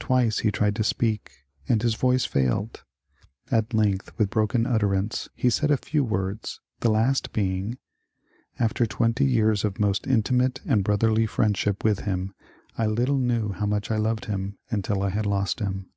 Twice he tried to speak, and his voice failed ; at length with broken utterance, he said a few words, the last being, ^^ After twenty years of most intimate and brotherly friendship with him, I little knew how much I loved him until I had lost him."